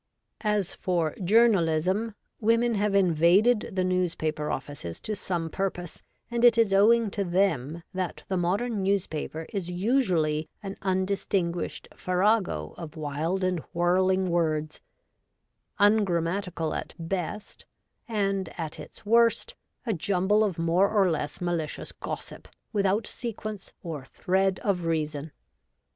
As for journalism, women have invaded the WOMEN IN MENS EMPLOYMENTS. i39 newspaper offices to some purpose, and it is owing to them that the modern newspaper is usually an undistinguished farrago of wild and whirling words, ungrammatical at best, and at its worst a jumble of more or less malicious gossip, without sequence or thread of reason.